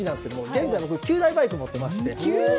現在、僕９台バイク持っておりまして。